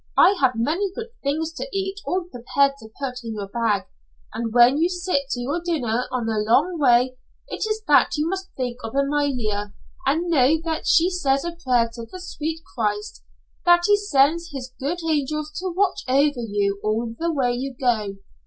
I have many good things to eat all prepare to put in your bag, and when you sit to your dinner on the long way, it is that you must think of Amalia and know that she says a prayer to the sweet Christ, that he send his good angels to watch over you all the way you go.